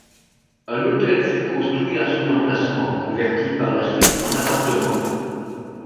Un hôtel fut construit à son emplacement, converti par la suite en appartements.